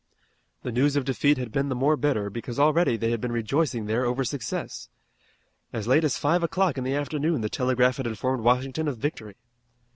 The news of defeat had been the more bitter, because already they had been rejoicing there over success. As late as five o'clock in the afternoon the telegraph had informed Washington of victory.